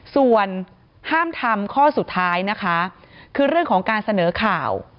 ส่วนห้ามทำข้อสุดท้ายนะคะคือเรื่องของการเสนอข่าว